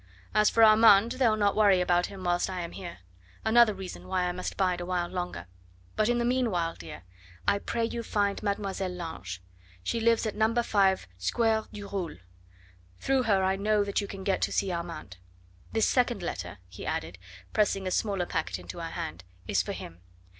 As for Armand, they'll not worry about him whilst I am here. Another reason why I must bide a while longer. But in the meanwhile, dear, I pray you find Mademoiselle Lange; she lives at No. 5 Square du Roule. Through her I know that you can get to see Armand. This second letter," he added, pressing a smaller packet into her hand, "is for him.